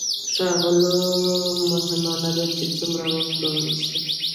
ښاغلو مهمه نه ده چې څومره وخت به ونيسي.